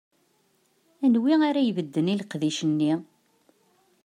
Aniwi ara ibedden i leqdic-nni?